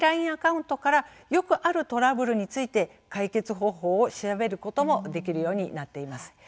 アカウントからよくあるトラブルについて解決方法を調べることもできるようになっています。